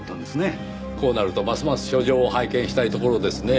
こうなるとますます書状を拝見したいところですねぇ。